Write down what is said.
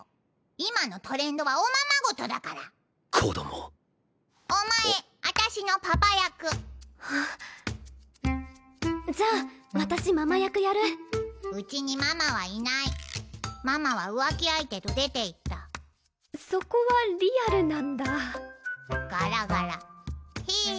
今のトレンドはおままごとだから子供お前私のパパ役じゃあ私ママ役やるうちにママはいないママは浮気相手と出て行ったそこはリアルなんだガラガラへえ